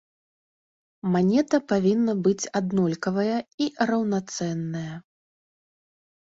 Манета павінна быць аднолькавая і раўнацэнная.